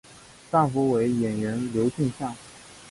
丈夫为演员刘俊相。